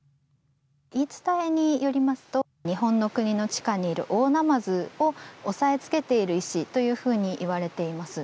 言い伝えによりますと日本の国の地下にいる大なまずを押さえつけている石というふうにいわれています。